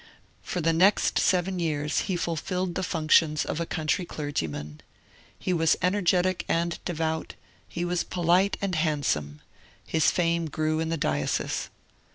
For the next seven years he fulfilled the functions of a country clergyman. He was energetic and devout; he was polite and handsome; his fame grew in the diocese.